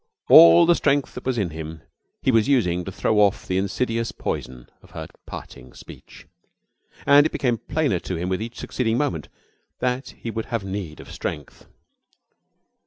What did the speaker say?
All the strength that was in him he was using to throw off the insidious poison of her parting speech, and it became plainer to him with each succeeding moment that he would have need of strength.